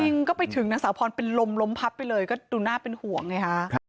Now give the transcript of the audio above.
จริงก็ไปถึงนางสาวพรเป็นลมล้มพับไปเลยก็ดูน่าเป็นห่วงไงฮะ